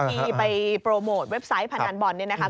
ที่ไปโปรโมทเว็บไซต์พนันบอลเนี่ยนะครับ